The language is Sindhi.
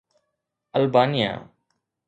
البانيا